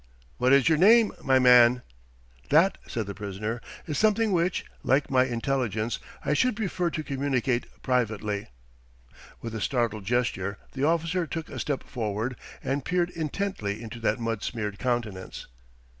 "What is your name, my man?" "That," said the prisoner, "is something which like my intelligence I should prefer to communicate privately." With a startled gesture the officer took a step forward and peered intently into that mud smeared countenance.